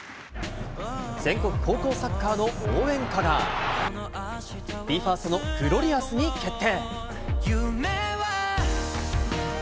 全国高校サッカーの応援歌はＢＥ：ＦＩＲＳＴのグロリアスに決定。